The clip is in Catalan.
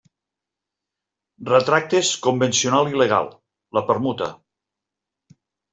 Retractes convencional i legal: la permuta.